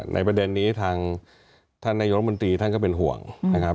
ในประเด็นนี้ทางท่านนายกรมนตรีท่านก็เป็นห่วงนะครับ